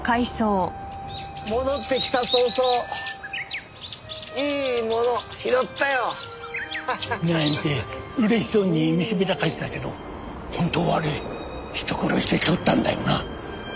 戻ってきた早々いいもの拾ったよ。なんて嬉しそうに見せびらかしてたけど本当はあれ人を殺して盗ったんだよな？